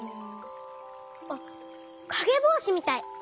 あっかげぼうしみたい！